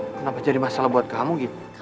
kenapa jadi masalah buat kamu gitu